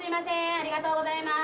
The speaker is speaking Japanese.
ありがとうございます。